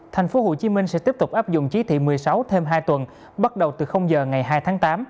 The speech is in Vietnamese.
thành phố hồ chí minh sẽ tiếp tục áp dụng chí thị một mươi sáu thêm hai tuần bắt đầu từ giờ ngày hai tháng tám